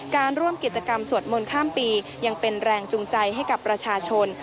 การร่วมกิจกรรมสวดมนต์ข้ามปียังเป็นแรงจูงใจให้กับประชาชน